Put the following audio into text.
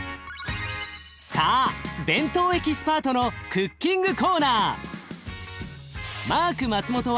さあ弁当エキスパートのクッキングコーナー。